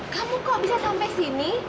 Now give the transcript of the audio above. kamu kok bisa sampai sini